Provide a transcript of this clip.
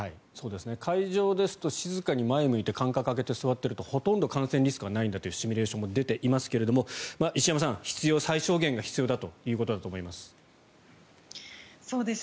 会場ですと静かに前を向いて間隔を空けて座っているとほとんど感染リスクがないというシミュレーションも出ていますけれども石山さん、必要最小限が必要ということだと思います。